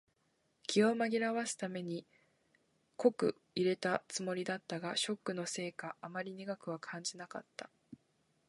気を紛らわすために濃く淹れたつもりだったが、ショックのせいかあまり苦くは感じなかった。